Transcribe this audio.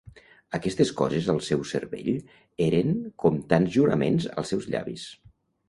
Aquestes coses al seu cervell eren com tants juraments als seus llavis.